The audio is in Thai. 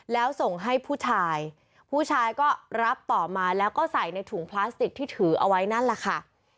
แล้วส่งให้ผู้ชายผู้ชายก็รับต่อมาแล้วก็ใส่ในถุงพลาสติกที่ถือเอาไว้นั่นแหละค่ะ